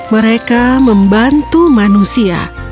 mereka membantu manusia